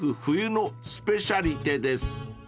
冬のスペシャリテです］